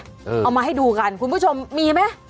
เอามาให้ดูกันคุณผู้ชมมีไหม